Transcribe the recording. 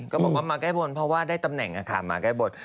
ก็บอกว่ามาแก้บนเพราะว่าได้ตำแหน่งมาแก้บน